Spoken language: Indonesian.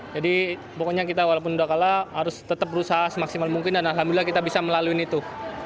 jadi pokoknya kita walaupun udah kalah harus tetap berusaha semaksimal mungkin dan alhamdulillah kita bisa melalui itu